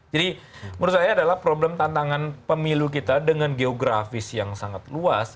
jadi menurut saya adalah problem tantangan pemilu kita dengan geografis yang sangat luas